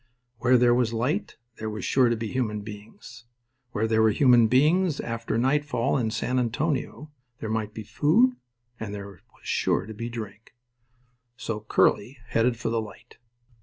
Where there was light there were sure to be human beings. Where there were human beings after nightfall in San Antonio there might be food, and there was sure to be drink. So Curly headed for the light.